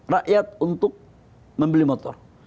rakyat untuk membeli motor